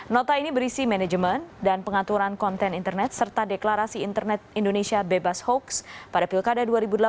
nota ini berisi manajemen dan pengaturan konten internet serta deklarasi internet indonesia bebas hoax pada pilkada dua ribu delapan belas